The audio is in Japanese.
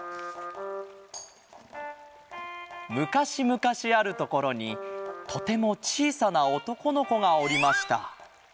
むかしむかしあるところにとてもちいさなおとこのこがおりました。